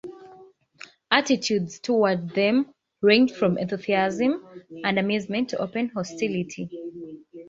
Attitudes toward them ranged from enthusiasm and amusement to open hostility.